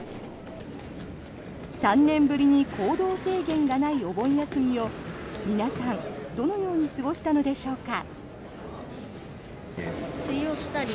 ３年ぶりに行動制限がないお盆休みを皆さん、どのように過ごしたのでしょうか。